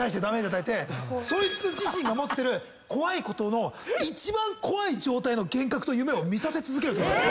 そいつ自身が持ってる怖いことの一番怖い状態の幻覚と夢を見せ続けるっていう技なんです。